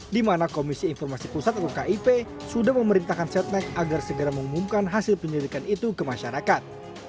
di mana komisi informasi pusat atau kip sudah memerintahkan setnek agar segera mengumumkan hasil penyelidikan itu ke masyarakat